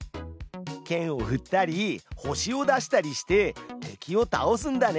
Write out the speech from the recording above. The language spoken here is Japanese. けんをふったり星を出したりして敵を倒すんだね。